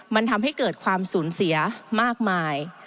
มันทำให้เกิดความสูญเสียมากมาย